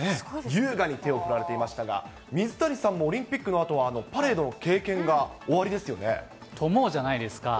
優雅に手を振られていましたが、水谷さんもオリンピックのあとはパレードの経験がおありですよね。と思うじゃないですか。